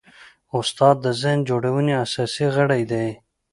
استاد د ذهن جوړونې اساسي غړی دی.